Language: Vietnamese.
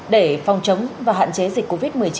để phòng chống và hạn chế dịch covid một mươi chín